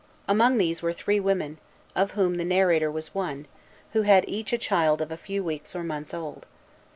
Among these were three women, of whom the narrator was one, who had each a child of a few weeks or months old.